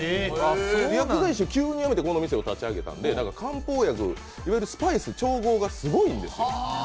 薬剤師を急にやめてこの店を立ち上げたので漢方薬、スパイス、いわゆる調合がすごいんです。